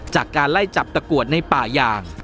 จากการไล่จับตะกรวดในป่ายาง